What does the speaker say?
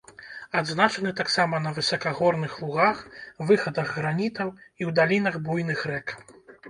Адзначаны таксама на высакагорных лугах, выхадах гранітаў і ў далінах буйных рэк.